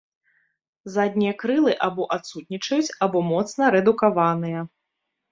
Заднія крылы або адсутнічаюць або моцна рэдукаваныя.